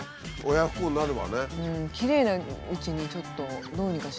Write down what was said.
親不孝になるわね。